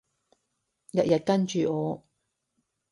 日日跟住我